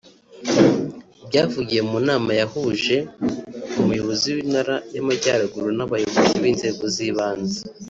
Byavugiwe mu nama yahuje Umuyobozi w’Intara y’Amajyaruguru n’abayobozi b’inzego z’ibanze